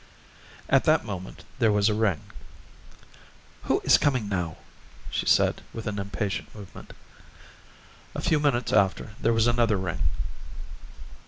At that moment there was a ring. "Who is coming now?" she said, with an impatient movement. A few minutes after there was another ring.